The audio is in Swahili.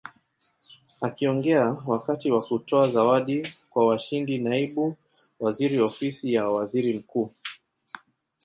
Akiongea wakati wa kutoa zawadi kwa washindi Naibu Waziri Ofisi ya Waziri Mkuu